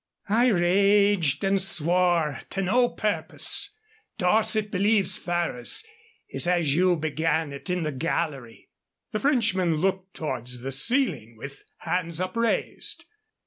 "I raged and swore to no purpose. Dorset believes Ferrers. He says you began it in the gallery." The Frenchman looked towards the ceiling with hands upraised.